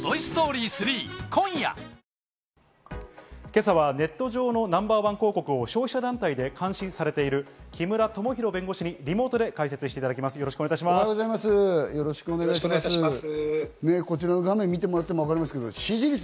今朝はネット上のナンバーワン広告を消費者団体で監視されている木村智博弁護士にリモートで解説していただきます、よろしくお願いします。